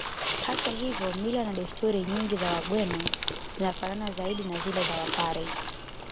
Hata hivyo mila na desturi nyingi za Wagweno zinafanana zaidi na zile za Wapare